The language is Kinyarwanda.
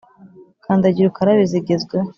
kandagira ukarabe zigezweho